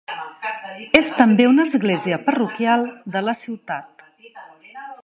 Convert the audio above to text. És també una església parroquial de la ciutat.